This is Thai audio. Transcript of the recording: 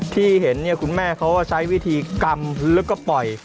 ที่เห็นเนี่ยคุณแม่เขาก็ใช้วิธีกำแล้วก็ปล่อย